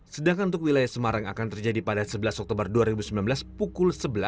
sedangkan untuk wilayah semarang akan terjadi pada sebelas oktober dua ribu sembilan belas pukul sebelas